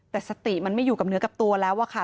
แต่สติมันไม่อยู่กับเนื้อกับตัวแล้วอะค่ะ